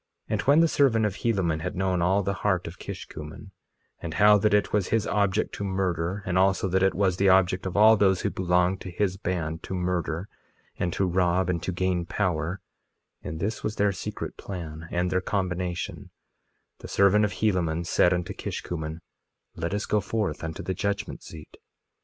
2:8 And when the servant of Helaman had known all the heart of Kishkumen, and how that it was his object to murder, and also that it was the object of all those who belonged to his band to murder, and to rob, and to gain power, (and this was their secret plan, and their combination) the servant of Helaman said unto Kishkumen: Let us go forth unto the judgment seat.